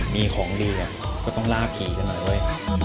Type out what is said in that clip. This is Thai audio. มีของดีก็ต้องล่าผีใช่มั้ยเว้ย